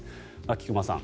菊間さん